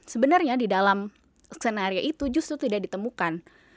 sebenarnya di dalam skenario itu justru tidak ditemukan